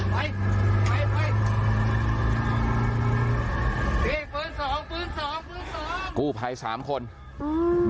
เฮ้ยฟื้นสองฟื้นสองฟื้นสองกูภัยสามคนอืม